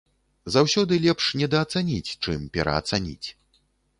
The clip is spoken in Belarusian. Заўсёды лепш недаацаніць, чым пераацаніць.